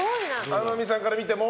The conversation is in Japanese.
天海さんから見ても？